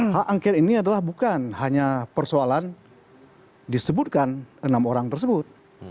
hak angket ini adalah bukan hanya persoalan disebutkan enam orang tersebut